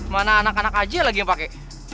mana anak anak aja lagi yang pakai